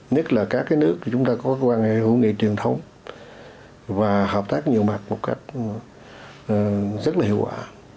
nhất là các nước chúng ta có quan hệ hữu nghị truyền thống và hợp tác nhiều mặt một cách rất là hiệu quả